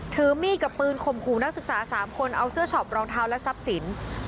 ถือมีดกับปืนข่มขู่นักศึกษา๓คนเอาเสื้อช็อปรองเท้าและทรัพย์สิน